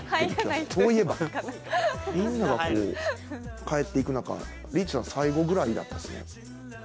みんなが帰っていく中、リーチさんが最後ぐらいだったんですね。